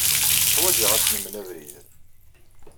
Teḥwaj-aɣ ad as-nmel abrid.